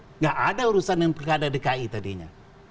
tidak ada urusan dengan pilkada dki tadinya